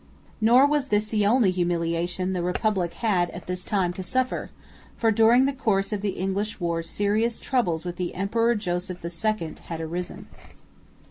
Nor was this the only humiliation the Republic had at this time to suffer, for during the course of the English war serious troubles with the Emperor Joseph II had arisen.